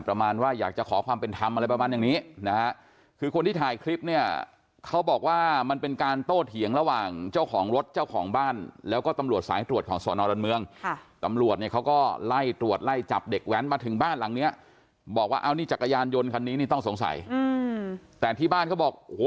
ประมาณว่าอยากจะขอความเป็นธรรมอะไรประมาณอย่างนี้นะฮะคือคนที่ถ่ายคลิปเนี่ยเขาบอกว่ามันเป็นการโต้เถียงระหว่างเจ้าของรถเจ้าของบ้านแล้วก็ตำรวจสายตรวจของสอนอดอนเมืองค่ะตำรวจเนี่ยเขาก็ไล่ตรวจไล่จับเด็กแว้นมาถึงบ้านหลังเนี้ยบอกว่าเอานี่จักรยานยนต์คันนี้นี่ต้องสงสัยอืมแต่ที่บ้านเขาบอกโอ้โห